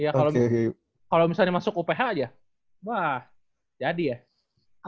iya kalo misalnya masuk uph aja wah jadi ya